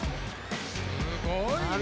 すごいね！